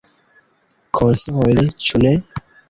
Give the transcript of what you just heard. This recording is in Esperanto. Konsole, ĉu ne?